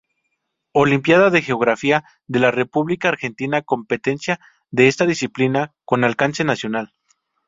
Olimpíada de Geografía de la República Argentina Competencia de esta disciplina con alcance nacional.